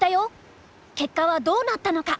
結果はどうなったのか！